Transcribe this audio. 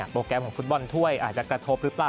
ประกันของฟุตบอลครับถือหรือเปล่า